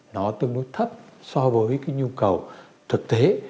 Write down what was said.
nó tương đối thấp so với cái nhu cầu thực tế